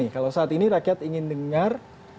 kalau saat ini rakyat ingin dengar